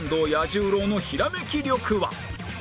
十郎のひらめき力は？